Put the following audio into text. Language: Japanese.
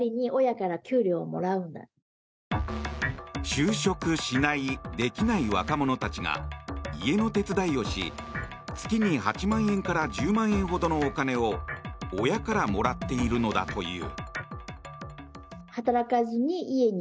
就職しない・できない若者たちが家の手伝いをし月に８万円から１０万円ほどのお金を親からもらっているのだという。